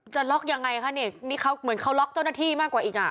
จะล็อกยังไงคะเนี่ยนี่เขาเหมือนเขาล็อกเจ้าหน้าที่มากกว่าอีกอ่ะ